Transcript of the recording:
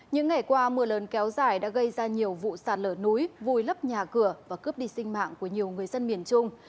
những ngày qua mưa lớn kéo dài đã gây ra nhiều vụ sạt lở núi vùi lấp nhà cửa và cướp đi sinh mạng của nhiều người dân miền trung